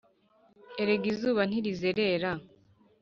erega izuba ntirizerera